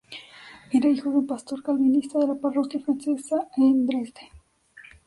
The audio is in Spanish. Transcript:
Era hijo de un pastor calvinista de la parroquia francesa en Dresde.